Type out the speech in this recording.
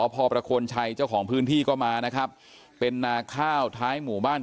พอประโคนชัยเจ้าของพื้นที่ก็มานะครับเป็นนาข้าวท้ายหมู่บ้าน